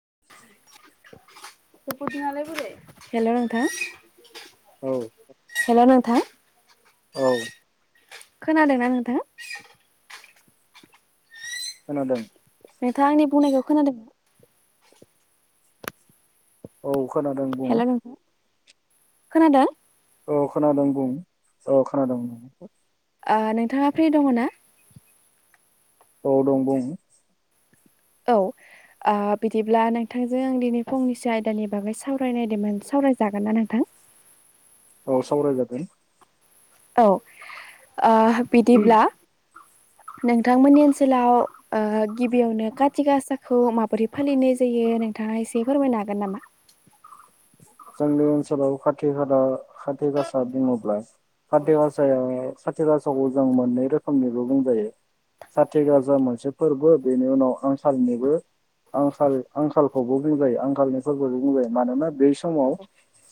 [inaudible] Hello नों औ hello नोंथां। औ। खोनादोंना नोंथां। खोनादों नोंथाङा आंनि बुंनायखौ खोनादों औ खोनादों बुं हेल' नोंथां खोनादों औ खोनादों बुं औ खोनादों आ नोंथाङा फ्रि दङ ना औ दं बुंं औ आ बिदिब्ला नोंथांजों आं दिनै फंनैसो आयदानि बागै सावरायनायदोंमोन सावरायजागोन ना नोंथां सावराय जागोन औ ओ बिदिब्ला नोंथांमोननि ओनसोलाव ओ गिबियावनो काति गासाखौ माबोरै फालिनाय जायो नोंथाङा एसे फोरमायनो हागोन नामा? जोंनि ओनसोलाव खाथि खाला खाथि गासा बुंङोब्ला खाथि गासाया खेला सावो जों मोननै रोखोमनिबो बुंजायो खाथि गासा मोनसे फोरबो बेनि उनाव आंखालनिबो आंखाल आंखालखौबो बुंजायो आंखालनि फोरबोबो बुंजायो मानोना बे समाव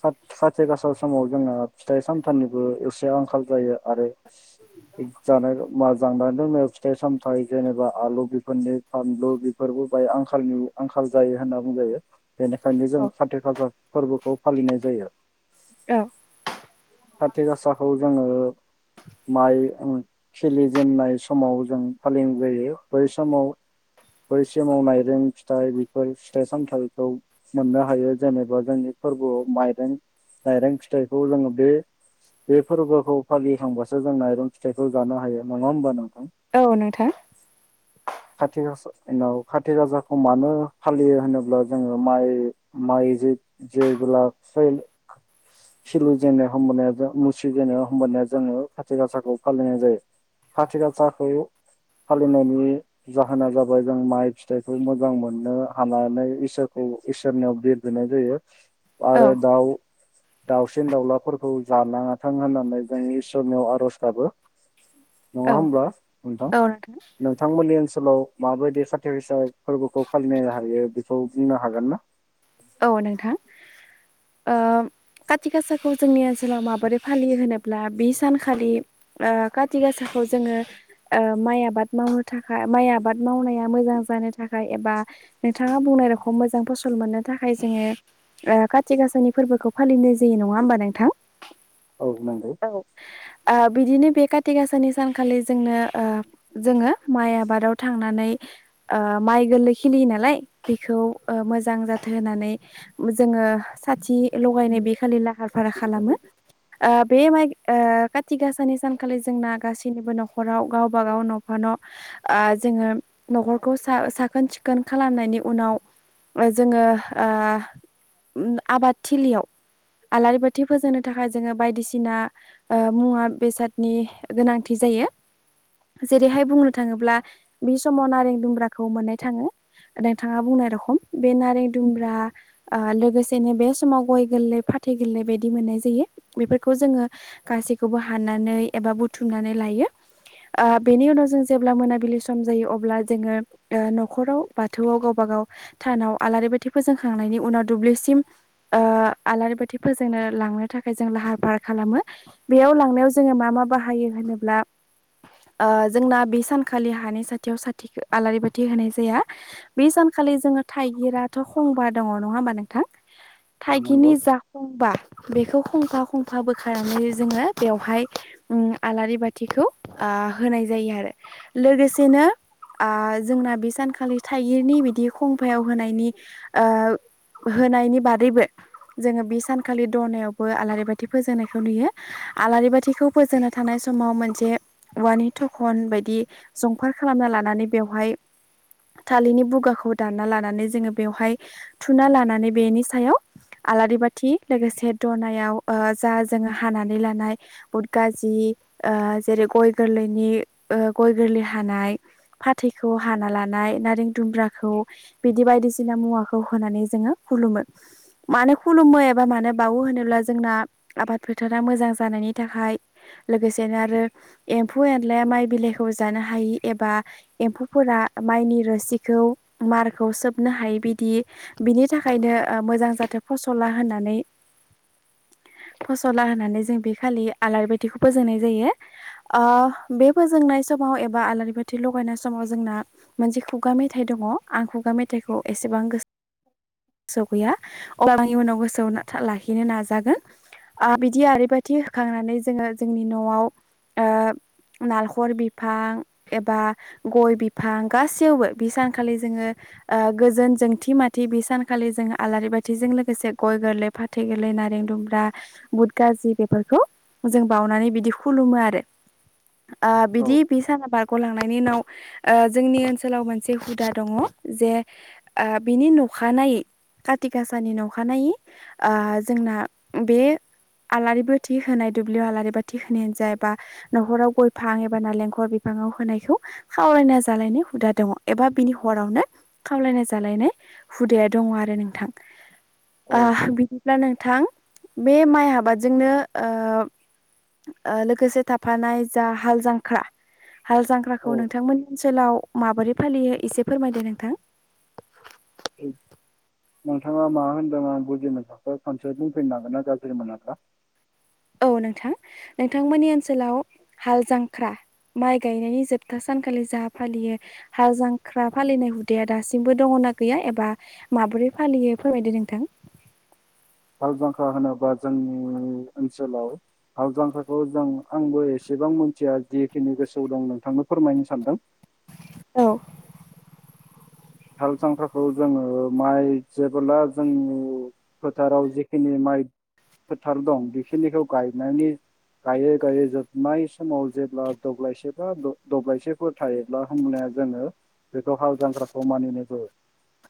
साद खाथि गासा समाव जोंहा फिथाइ सामथाइनिबो एसे आंखाल जायो आरो जानाय जानाय लोंनाय फिथाइ सामथायाइ जेनेबा आलु बेफोरनि फानलु बेफोरबो बाहाय आंखालनि आंखाल जायो होनना बुंजायो। बेनिखायनो जों खाथि गासा खौ फालिनाय जायो औ खाति गासाखौ जोङो माइ खिलिजेननाय समाव जों फालिनाय जायो बै समाव बै समाव माइरें फिथाइ बेफोर फिथाइ सामथाइखौ मोननो हायो जेनेबा जोंनि फोरबोआव माइरें नाइरें फिथाइखौ जोङो बे बे फोरबोखौ फालिखांबासो जों माइरं फिथाइखौ जानो हायो नङा होमबा नों औ नोंथां खाथि गासा उनाव खाति गाजाखौ मानो फालियो होनोब्ला जोङो माइ माइ जे जेबोब्ला खिलि जेननो होमबानिया जों मुसिजेननायाव हबानिया जोङो खाथि गासाखौ फालिनाय जायो खाथि गासाखौ फालिनायनि जाहोना जाबाय जों माइ फिथाइखौ मोजां मोननो हानानै इसोरखौ इसोरनियाव बोर बिनाय जायो। औ आरो दाउ दाउसिन दाउलाफोर जानाङाथों होननानै जों इसोरनियाव आर'ज गाबो औ नङा होमबा नोंथां औ नोंथां नोंथांमोननि ओनसो ओनसोलाव माबायदि सथि गासा फोरबोखौ फालिनो हायो बेखौ बुंनो हागोन ना? औ नोंथां ओ काथि गासाखौ जोंनि ओनसोलाव माबोरै फालियो होनोब्ला बे सानखालि ओ खााथि गासाखौ जोङो माइ आबाद मावनो थाखाय माइ आबाद मावनाया मोजां जानो थाखाय एबा नोंथाङा बुंनाय रखम मोजां फसल मोननो थाखाय जोङो ओ खाथि गसा'नि फोरबोखौ फालिनाय जायो नङा होमबा नोंथां। औ नंगौ औ ओ बिदिनो बे खाथि गासानि सानखालि जोंनो ओ जोङो माय आ बाराव थांनानै ओ माइ गोरलै खिलि नालाय बिखौ ओ मोजां जाथ होनानै जोङो साथि लगायनाय बे खालि लाहार फाहार खालामो ओब बे माइ ओ काथि गासानि सानखालि जोंना गासैनिबो न'खराव गावबा गाव न'फा न' जोङो न'खरखौ सा साखोन सिखोन खालामनायनि उनाव ओ जोङो। ओ ओम आबादथिलियाव आलारि बाथि फोजोंनो थाखाय जोङो बायदिसिना ओ मुवा बेसादनि गोनांथि जायो जेरैहाय बुंनो थाङोब्ला बि समाव नारें दुमब्राखौ मोननाय थाङो नोंथाङा बुंनाय रखम बे नारें। जुमब्रा ओ लोगोसेनो बे समाव गय गोरलै फाथै गोरलै बायदि मोननाय जायो बेफोरखौ जोङो गासैखौबो हाननानै एबा बुथुमनानै लायो ओ बेनि उनाव जों जेब्ला मोनाबिलि सम जायो अब्ला जोङो ओ न'खराव बाथौआव गावबा गाव थानाव आलारि बाथ थि फोजोंखांनायनि उनाव दुब्लिसिम ओ आलारि बाथि फोजोंनो लांनो थाखाय जों लाहार फाहार खालामो बेयाव लांनायाव जोङो मा मा बाहायो। होनोब्ला ओ जोंना बि सान खालि हानि साथियाव साथिखो आलारि बाथि होनाय जाया। बे सानखालि जोङो थाइगिर आ खंबा दङ नङा होमबा नोंथां। औ थाइगिरनि नंगौ जा खंबा बेखौ खंफा खंफा बोखारनानै जोङो बेवहाय उम आलारि बाथिखौ ओ होनाय जायो आरो लोगोसेनो आ जोंना बि सानखालि थाइगिरनि बिदि खंफायाव हो ओ होनायनि बादैबो जोङो बि सानखालि दनायावबो आलारि बाथि फोजोंनायखौ नुयो आलारि बाथिखौ फोजोंनो थांनाय समाव मोनसे औवानि थखन बायदि जंफार खालामना लानानै बेवहाय थालिरनि बुगाखौ दानना लानानै जोङो बेवहाय थुना लानानै बेनि सायाव आलारि बाथि लोगोसे दनायाव ओ जा जोङो हानानै लानाय बुद गाजि ओ जेरै गय गोरलैनि ओ गय गोरलै हानाय फाथैखौ हाना लानाय नारें दुमब्राखौ बिदि बायदिसि [unintelligible] सिना मुवाखौ होनानै जोङो खुलुमो मानो खुलुमो एबा मानो बावो होनोब्ला जोंना आबाद फोथारा मोजां जानायनि थाखाय लोगोसेनो एम्फौ एनलाया माइ बिलाइखौ जानो हायि एबा एम्फौफोरा माइनि रोसिखौ मारखौ सोब नो हायै बिदि बिनि थाखायनो ओ मोजां जाथों फसला होननानै फसला होननानै जों बे खालि आलारि बाथिखौ फोजोंनाय जायो ओ बे फोजोंनाय समाव एबा आलारि बाथि लगायनाय समाव जोंना मोनसे खुगा मेथाइ दङ आं खुगा मे थाइखौ एसेबां गो गोसोयाव गैया अब्लाबो आं इउनाव गोसोआव ना था लाखिनो नाजागोन। आ बिदि आरो बाथि होखांनानै जोङो जोंनि न'आव ओ नालखर बिफां एबा गय बि फां गासैयावबो बि सानखालि जोङो ओ गोजोन जोंथि माथि बि सानखालि जोंङो आलारि बाथिजों लोगोसे गय गोरलै फाथै गोरलै नारें दुमब्रा बुद गाजि बेफोरखौ जों बाउनानै बिदि खुलुमो आरो ओ औ बिदि बि साना बारग'लांनायनि उनाव ओ जोंनि ओनसोलाव मोनसे हुदा दङ। जे ओ बिनि न'खानायै काथि गाासानि नखानायै ओ जोंना [unintelligible] बे आलारि बाथि होनाय दुब्लियाव आलारि बाथि होनायानो जायाबा न'खराव गयफां एबा नालेंखर बिफाङाव होनायखौ खावरायना जालायनाय हुदा दङ एबा बिनि हरावनो। खावलायना जालायनाय हुदाया दङ आरो नोंथां। ओ औ बिदिब्ला नोंथां बे माइ आबादजोंनो ओ ओ लोगोसे थाफानाय जा हाल जांख्रा। हाल जांख्राखौ औ नोंथांमोननि ओनसोलाव माबोरै फालियो एसे फोरमायदो नों थां [unintelligible] नोंथाङा मा होनदों आं बुजि मोनाखौ खनसे बुंफिननो हागोनना गाज्रि मोनाबा? औ नोंथां नोंथांमोननि ओनसोलाव हाल जांख्रा माइ गायनायनि जोबथा सानखालि जा फालियो हाल जांख्रा फालिनाय हुदाया दासिमबो दङना गैया एबा माबोरै फालियो फोरमायदो नोंथां। हाल जांख्रा होनोबा जोंनि ओनसोलाव हाल जांखाखौ जों आंबो एसेबां मोनथिया जिखिनि गोसोआव दं नोंथांनो फोरमायनो सानदों। औ हाल जांख्राखौ जोङो माइ जेबोब्ला जोंनि फोथाराव जेखिनि माइ फोथार दं बेखिनिखौ गायनायनि गायै गायै जोबनाय समाव जेब्ला दब्लायसे बा द-दब्लायसेफोर थायोब्ला होमबानिया जोङो बेखौ हाल जांख्रा [unintelligible] मानिनाय जायो।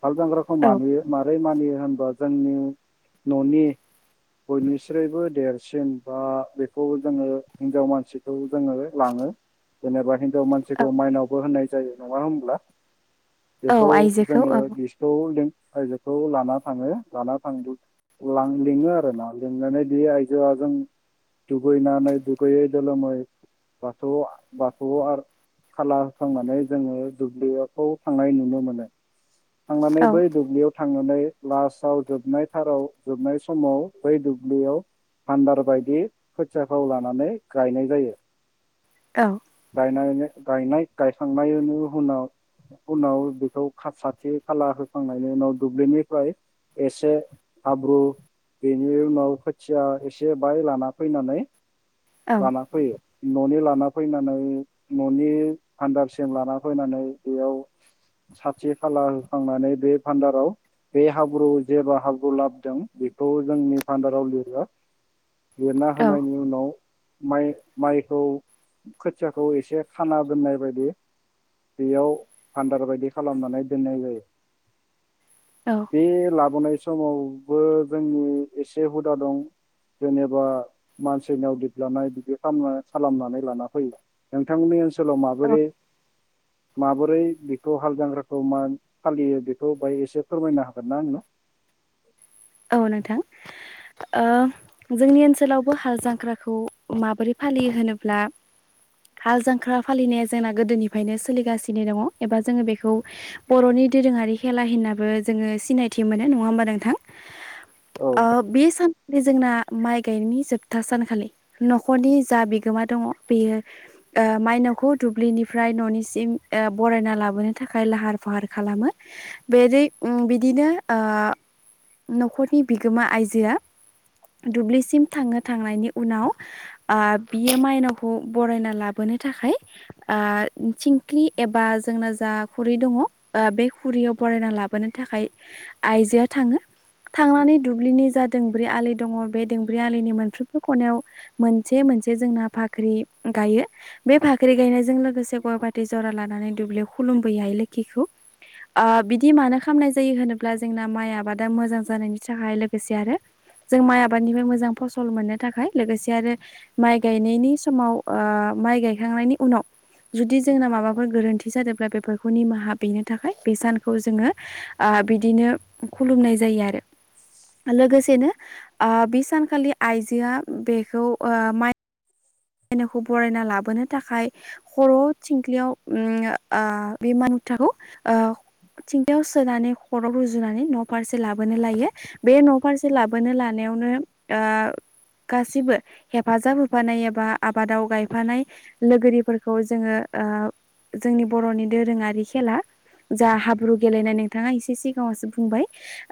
हाल जांख्राखौ औ मानियो मारै मानियो। होमबा जोंनि न'नि बयनिस्रायबो देरसिन बा बेखौ जोङो हिनजाव मानसिखौ जोङो लाङो जेनेबा हि नजाव औ मानसिखौ माइनावबो होननाय जायो नंङा होमब्ला? औ बेखौ आइजोखौ जोङो औ बिखौ जों आयजोखौ लाना थाङो लाना थां [unintelligible] लां लिङो आरो ना लिंनानै बि आइजोआ जों दुगैनानै दुगैयै दोलोमै बाथौ बाथौ [unintelligible] खाला होखांनानै जोङो दुब्लियाखौ थांनाय नुनो मोनो। थांनानै औ बै दुब्लियाव थांनानै लासआव जोबनाय थाराव जोबनाय समाव बै दुब्लियाव फान्दार बायदि खोथियाखौ लानानै गायनाय जायो। औ गायनानै गायनाय गायखांनायनि उनाव उनाव बेखौ खा साथि खाला होखांनायनि उनाव दुब्लिनिफ्राय एसे हाब्रु बेनि उनाव खोथिया एसे बाय लाना फैनानै औ लाना फैयो। न'नि लाना फैनानै न'नि फान्दारसिम लाना फैनानै बेयाव साथि खाला होखांनानै बे फान्दाराव बे हाब्रुआव जेबा हाब्रु लाबोदों बेखौ जोंनि फान्दाराव लिरो। लिरना औ होनायनि उनाव माइ-माइखौ खोथियाखौ एसे खाना दोननाय बायदि बेयाव। भान्दार बायदि खालामनानै दोननाय जायो। औ बे लाबोनाय। समावबो जोंनि एसे हुदा दं जेनेबा मानसिनियाव लिदलानाय बिदि खालामनानै लाना फैयो नोंथांमोननि ओनसोल। सोलाव औ माबोरै। माबोरै। बेखौ हाल जांख्राखौ मा फालियो बेखौ बाहाय एसे फोरमायनो हागोन ना आंनो? औ नोंथां। ओ जोंनि ओनसोलावबो हाल जांख्राखौ माबोरै फालियो होनोब्ला हाल जांख्रा फालिनाया जोंना गोदोनिफ्रायनो सोलिगासिनो दङ एबा जोङो बेखौ बर'नि दोरोङारि खेला होननाबो जोङो सिनायथि मोनो नङा होमबा नोंथां? औ ओ बे सानखालि जोंना। माइ गायनायनि जोबथा सानखालि न'खरनि जा बिगोमा दङ' बेयो ओ माइनावखौ दुब्लिनिफ्राय न'निसिम बरायना लाबोनो थाखाय लाहार फाहार खालामो बेै बिदिनो ओ। न'खरनि बिगोमा आइजोआ दुब्लिसिम थांनो थांनायनि उनाव ओ बियो माइनावखौ बरायना लाबोनो थाखाय ओ थिंख्लि एबा जोंना जा खुरै दङ बे खुरैयाव बरायना लाबोनो थाखाय आइजोआ थाङो। थांनानै दुब्लिनि जा दोंब्रै आलि दङ बे दोंब्रै आलिनि मोनफ्रोमबो खनायाव मोनसे-मोनसे जोंना भा। ख्रि गायो बे भाख्रि गायनायजों लोगोसे गय-फाथै जरा लानानै दुब्लियाव खुलुमबोयो हायो लोखिखौ ओ बिदि मानो खालामनाय जायो होनोब्ला जो। जोंना माइ आबाद मोजां। जानायनि थाखाय लोगोसे आरो जों माइ आबादनिफ्राय मोजां फसल मोननो थाखाय लोगोसे आरो। माइ गायनायनि समाव। ओ माइ गायखांनायनि उनाव जुदि जोंना माबाफोर गोरोन्थि जादोंब्ला बेफोरखौ निमाहा बिनो थाखाय बे सानखौ जोङो ओ बिदिनो खुलुमनाय जायो आरो। लोगोसेनो ओ बे सानखालि आइजोआ बेखौ ओ माइ। माइनावखौ बरायना लाबोनो थाखाय खर' थिंख्लियाव ओम ओ बे माइ मुथाखौ ओ थिंख्लियाव सोनानै खर'आव रुजुनानै न' फारसे लाबोनो लायो बे न'फारसे लाबोनो लानायावनो। ओ गासिबो। हेफाजाब होफानाय एबा। आबादाव गायफानाय लोगोरिफोरखौ जोङो ओ। जोंनि बर'नि दोरोङारि खेला जा हाब्रु गेलेनाय नोंथाङा एसे सिगाङावसो। बुंबाय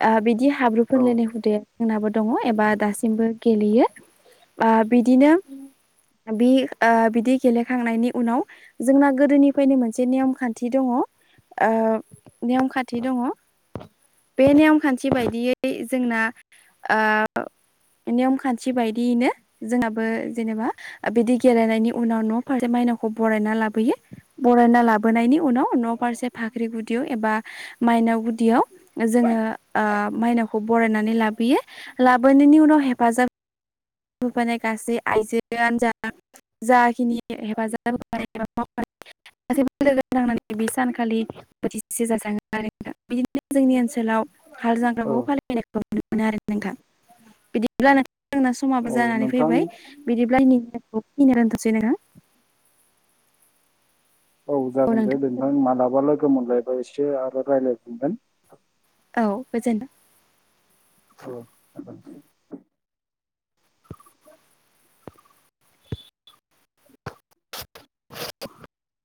ओ बिदि। हाब्रु औ फोनलायनाय हुदायाबो जोंनाबो। दङ एबा दासिमबो गेलेयो ओ बिदिनो। बि ओ बिदि गेलेखांनायनि उनाव जोंना गोदोनिफ्रायनो मोनसे नेयम- खान्थि दङ ओ नेयम-खान्थि दङ बे नेयम-खान्थि बायदियै जोंना ओ नेयम-खान्थि बायदियैनो। जोंनाबो जेनेबा। ओ बिदि गेलेनायनि उनाव न'। फारसे माइनावखौ बरायना लाबोयो। बरायना लाबोनायनि उनाव न'फारसे फाख्रि गुदियाव एबा। माइनाव गुदियाव जोङो ओ। माइनावखौ बरायनानै लाबोयो लाबोनायनि उनाव हेफाजाब। ‌ [unintelligible] [unintelligible] नोंथां औ बिदिब्ला नोंथांनावसो। समाबो औ जानानै नोंथां फैबाय बिदिब्ला निमथांखौ। इनरान थासैनोंयो। औ जागोन दे नोंथां मालाबा लोगो। लोगो मोनलायबा एसे आरो रायलायफिनगोन। औ गोजोन्थों। औ [unintelligible] [unintelligible]